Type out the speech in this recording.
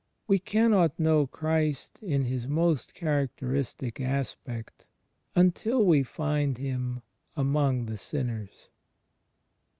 We cannot know Christ in His most charac teristic aspect until we find Him among the Sinners.